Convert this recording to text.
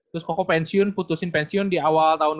terus koko pensiun putusin pensiun di awal tahun dua ribu tujuh belas